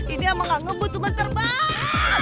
ini emang gak ngebut cuma terbang